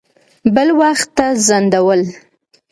بل وخت ته ځنډول.